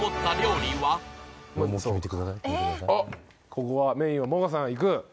ここはメインは萌歌さんいく。